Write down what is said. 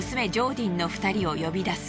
ディンの２人を呼び出す。